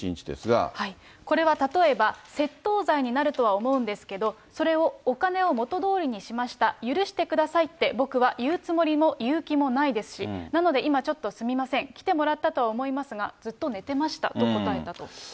これは例えば、窃盗罪になるとは思うんですけど、それをお金を元通りにしました、許してくださいって、僕は言うつもりも、言う気もないですし、なので、今ちょっとすみません、来てもらったとは思いますが、ずっと寝てましたと答えたと。